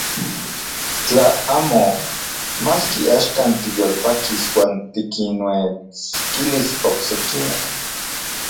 Tla amo, maski axkan tiyolpakis uan tikinuetskilis oksekimej.